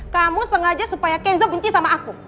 kamu sengaja supaya kenzo benci sama aku